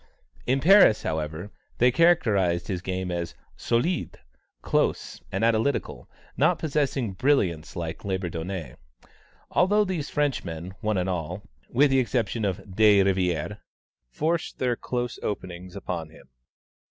In Paris, however, they characterized his game as "solide, close, and analytical, not possessing brilliance like Labourdonnais;" although these Frenchmen, one and all, with the exception of De Rivière, forced their close openings upon him.